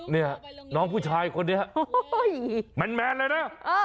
เนี่ยน้องผู้ชายคนนี้แมนเลยนะ